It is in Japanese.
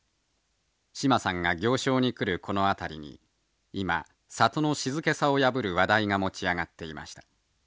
志まさんが行商に来るこの辺りに今里の静けさを破る話題が持ち上がっていました。